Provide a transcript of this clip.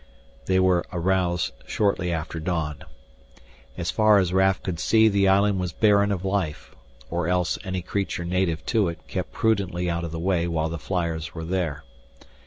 They were aroused shortly after dawn. As far as Raf could see the island was barren of life, or else any creature native to it kept prudently out of the way while the flyers were there.